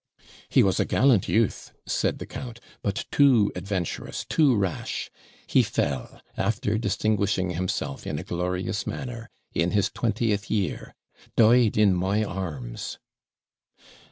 'He was a gallant youth,' said the count, 'but too adventurous too rash. He fell, after distinguishing himself in a glorious manner, in his twentieth year died in my arms.'